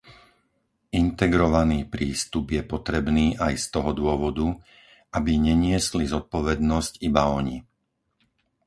Integrovaný prístup je potrebný aj z toho dôvodu, aby neniesli zodpovednosť iba oni.